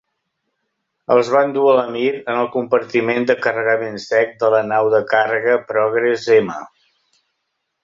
Els van dur a la "Mir" en el compartiment de carregament sec de la nau de càrrega Progress-M.